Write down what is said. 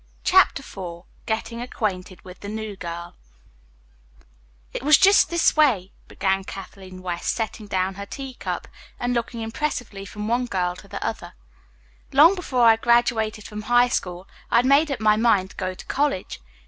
CHAPTER IV GETTING ACQUAINTED WITH THE NEWSPAPER GIRL "It was just this way," began Kathleen West, setting down her tea cup and looking impressively from one girl to the other, "Long before I graduated from high school I had made up my mind to go to college.